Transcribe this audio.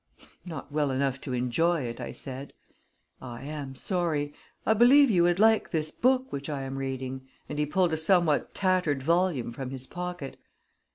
"Not well enough to enjoy it," I said. "I am sorry I believe you would like this book which I am reading," and he pulled a somewhat tattered volume from his pocket.